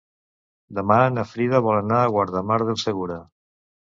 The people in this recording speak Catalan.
Demà na Frida vol anar a Guardamar del Segura.